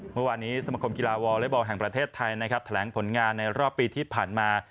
เมื่อวานนี้สมคมกีฬาวอเล็กบอลแห่งประเทศไทยนะครับแถลงผลงานในรอบปีที่ผ่านมา